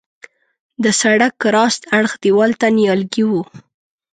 د سړک راست اړخ دیوال ته نیالګي وه.